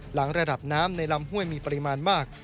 หลังระดับน้ำในลำห้วยมีปริมาณมาก